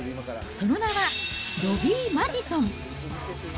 その名は、ロビー・マディソン。